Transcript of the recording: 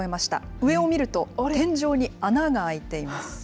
上を見ると、天井に穴が開いています。